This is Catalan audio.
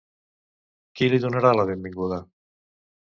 Qui li donarà la benvinguda?